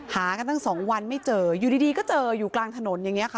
หากันตั้งสองวันไม่เจออยู่ดีก็เจออยู่กลางถนนอย่างนี้ค่ะ